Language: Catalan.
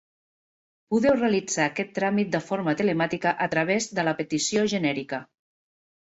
Podeu realitzar aquest tràmit de forma telemàtica a través de la petició genèrica.